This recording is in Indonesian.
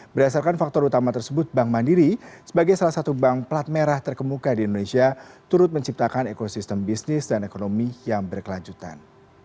berdasarkan faktor utama tersebut bank mandiri sebagai salah satu bank plat merah terkemuka di indonesia turut menciptakan ekosistem bisnis dan ekonomi yang berkelanjutan